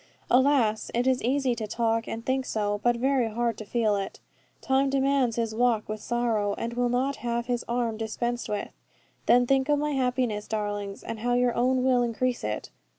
Alas, it is easy to talk and think so, but very hard to feel it. Time demands his walk with sorrow, and will not have his arm dispensed with. Then think of my happiness, darlings, and how your own will increase it.